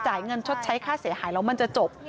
เงินชดใช้ค่าเสียหายแล้วมันจะจบ